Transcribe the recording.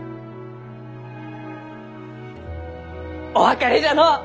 お別れじゃのう！